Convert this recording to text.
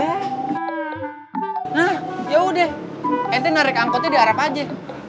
hah yaudah ente narik angkotnya di arab aja